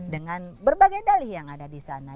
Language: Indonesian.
dengan berbagai dalih yang ada di sana